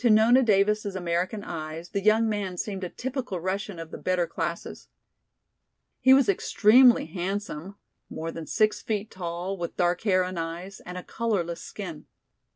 To Nona Davis' American eyes the young man seemed a typical Russian of the better classes. He was extremely handsome, more than six feet tall, with dark hair and eyes and a colorless skin.